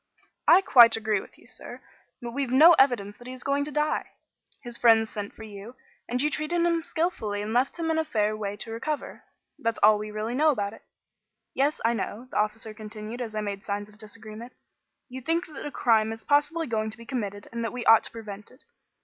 "I quite agree with you, sir. But we've no evidence that he is going to die. His friends sent for you, and you treated him skilfully and left him in a fair way to recovery. That's all that we really know about it. Yes, I know," the officer continued as I made signs of disagreement, "you think that a crime is possibly going to be committed and that we ought to prevent it.